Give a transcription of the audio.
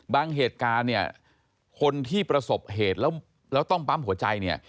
เหตุการณ์เนี่ยคนที่ประสบเหตุแล้วต้องปั๊มหัวใจเนี่ย